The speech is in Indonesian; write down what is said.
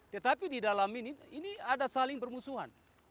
tetapi di dalam ini ini ada saling bermusuhan